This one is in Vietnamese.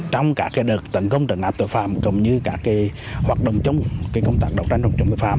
trong các đợt tấn công tấn áp tội phạm cũng như các hoạt động trong công tác đọc tranh đọc tranh tội phạm